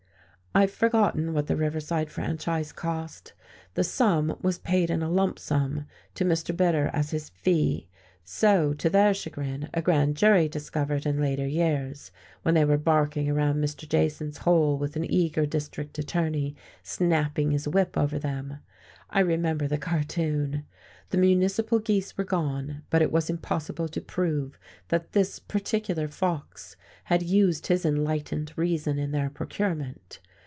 I've forgotten what the Riverside Franchise cost. The sum was paid in a lump sum to Mr. Bitter as his "fee," so, to their chagrin, a grand jury discovered in later years, when they were barking around Mr. Jason's hole with an eager district attorney snapping his whip over them. I remember the cartoon. The municipal geese were gone, but it was impossible to prove that this particular fox had used his enlightened reason in their procurement.